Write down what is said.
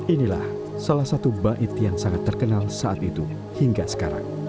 inilah salah satu bait yang sangat terkenal saat itu hingga sekarang